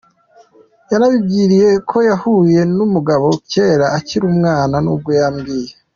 yanabinyibwiriye ko yahuye n’umugabo kera akiri umwana n’ubwo yambwiye.